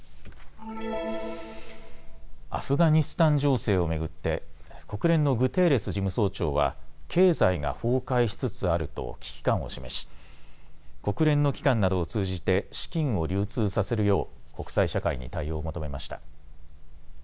アフガニスタン情勢を巡って国連のグテーレス事務総長は経済が崩壊しつつあると危機感を示し国連の機関などを通じて資金を流通させるよう国際社会に対応を求めました。